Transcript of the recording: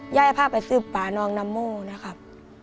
ย่ายพ่อไปซื้อป่าน้องน้ำมู้นะครับ